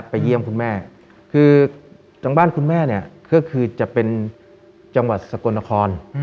เยี่ยมคุณแม่คือทางบ้านคุณแม่เนี่ยก็คือจะเป็นจังหวัดสกลนคร